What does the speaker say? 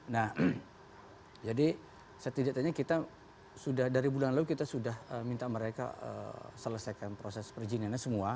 nah jadi setidaknya kita sudah dari bulan lalu kita sudah minta mereka selesaikan proses perizinannya semua